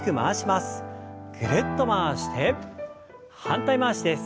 ぐるっと回して反対回しです。